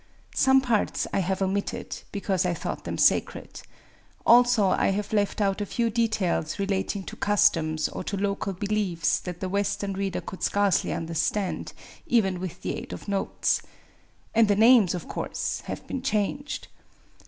Some parts I have omitted, because I thought them sacred. Also I have left out a few details relat ing to customs or to local beliefs that the West ern reader could scarcely understand, even with the aid of notes. And the names, of course, have been changed.